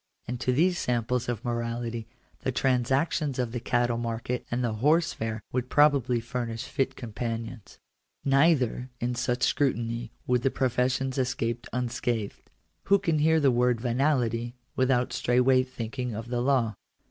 And to these samples of morality the trans actions of the cattle market and the horse fair would probably furnish fit companions. Neither in such a scrutiny would the professions escape un scathed. Who can hear the word " venality " without straight way thinking of the law